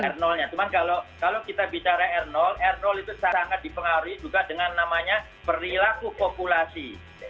r nya cuma kalau kita bicara r r itu sangat dipengaruhi juga dengan namanya perilaku populasi